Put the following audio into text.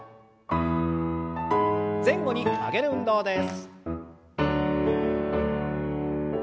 前後に曲げる運動です。